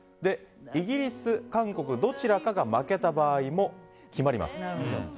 イギリス、韓国どちらかが負けた場合も決まります。